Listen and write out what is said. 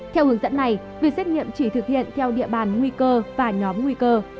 theo hướng dẫn này việc xét nghiệm chỉ thực hiện theo địa bàn nguy cơ và nhóm nguy cơ